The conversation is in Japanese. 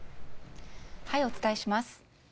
お伝えします。